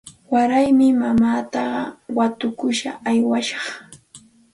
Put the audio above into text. Waraymi mamaata watukuq aywashaq.